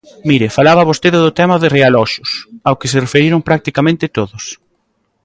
Mire, falaba vostede do tema de realoxos, ao que se referiron practicamente todos.